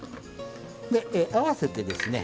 であわせてですね